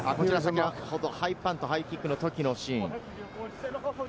ハイパント、ハイキックのときのシーン。